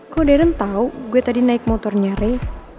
kok darren tau gue tadi naik motornya rey